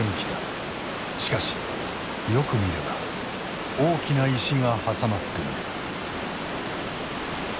しかしよく見れば大きな石が挟まっている。